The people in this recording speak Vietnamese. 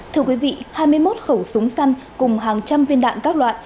thưa quý vị hai mươi một khẩu súng săn cùng hàng trăm viên đạn các loại